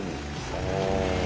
ああ。